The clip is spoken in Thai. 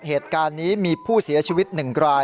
เหตุการณ์นี้มีผู้เสียชีวิต๑ราย